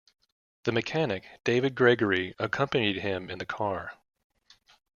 The mechanic, David Gregory, accompanied him in the car.